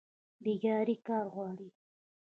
بیکاري کار غواړي